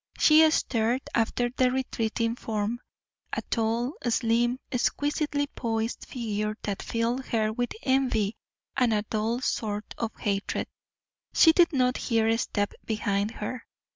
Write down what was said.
She stared after the retreating form a tall, slim, exquisitely poised figure that filled her with envy and a dull sort of hatred. She did not hear a step behind her.